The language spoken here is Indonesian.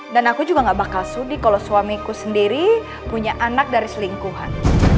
aku juga gak bakal sedih kalau suamiku sendiri punya anak dari selingkuhan